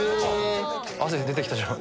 汗出てきたじゃん。